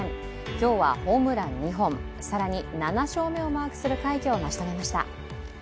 今日はホームラン２本、更に７勝目をマークする快挙を成し遂げました。